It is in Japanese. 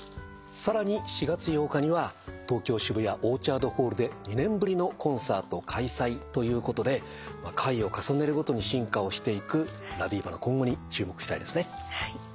さらに４月８日には東京渋谷オーチャードホールで２年ぶりのコンサート開催ということで回を重ねるごとに進化をしていくＬＡＤＩＶＡの今後に注目したいですね。